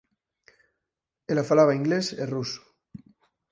Ela falaba inglés e ruso.